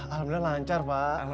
alhamdulillah lancar pak